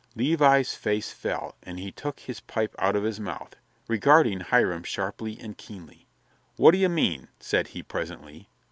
Levi's face fell and he took his pipe out of his mouth, regarding Hiram sharply and keenly. "What d'ye mean?" said he presently.